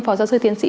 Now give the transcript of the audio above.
phó giáo sư tiến sĩ